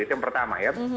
itu yang pertama ya